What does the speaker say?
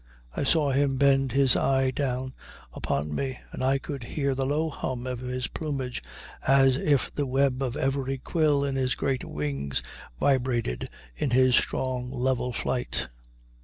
I saw him bend his eye down upon me, and I could hear the low hum of his plumage as if the web of every quill in his great wings vibrated in his strong, level flight.